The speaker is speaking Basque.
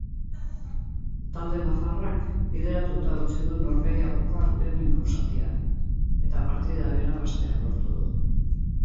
Talde nafarrak bideratuta utzi du norgehiagoka lehen zatian eta partida irabaztea lortu du.